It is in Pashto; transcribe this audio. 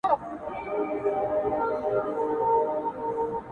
گيلاس خالي- تياره کوټه ده او څه ستا ياد دی-